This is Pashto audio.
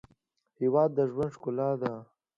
هېواد د ژوند ښکلا ده.